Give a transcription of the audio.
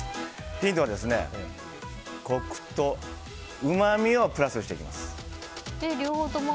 ヒントはコクとうまみをプラスしていきます。